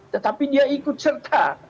tetapi dia ikut serta